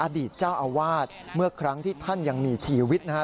อดีตเจ้าอาวาสเมื่อครั้งที่ท่านยังมีชีวิตนะฮะ